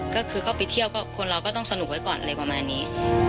ก็คือเข้าไปเที่ยวก็คนเราก็ต้องสนุกไว้ก่อนอะไรประมาณนี้